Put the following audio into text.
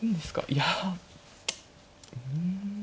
いやうん。